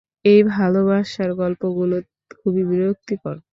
এই ভালোবাসার গল্পগুলো, খুবিই বিরক্তিকর।